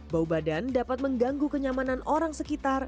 bau badan dapat mengganggu kenyamanan orang sekitar